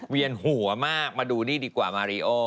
เวียนหัวมากมาดูนี่ดีกว่ามาริโอ